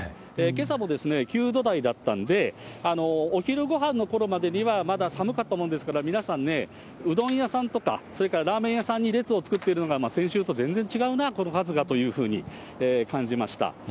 けさも９度台だったんで、お昼ごはんのころまでにはまだ寒かったもんですから、皆さんね、うどん屋さんとか、それからラーメン屋さんに列を作っているのが、先週と全然違うな、この数がというふうに感じました。